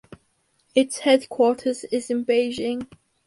Its headquarters is in Beijing.